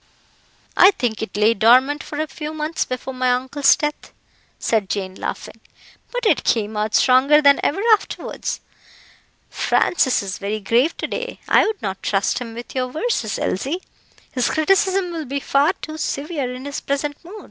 "I think it lay dormant for a few months before my uncle's death," said Jane, laughing; "but it came out stronger than ever afterwards. Francis is very grave to day. I would not trust him with your verses, Elsie; his criticisms will be far too severe in his present mood."